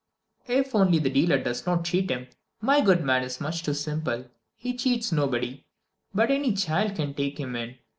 "If only the dealer does not cheat him. My good man is much too simple; he cheats nobody, but any child can take him in.